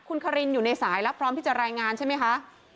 คุณคารินอยู่ในสายแล้วพร้อมที่จะรายงานใช่ไหมคะ